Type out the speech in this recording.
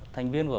thành viên của